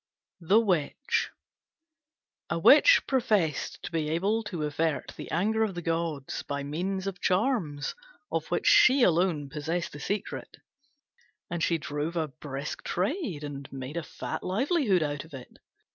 THE WITCH A Witch professed to be able to avert the anger of the gods by means of charms, of which she alone possessed the secret; and she drove a brisk trade, and made a fat livelihood out of it.